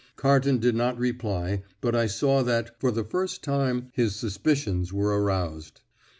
Carton did not reply, but I saw that, for the first time, his suspicions were aroused.